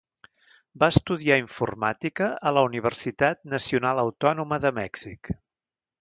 Va estudiar informàtica a la Universitat Nacional Autònoma de Mèxic.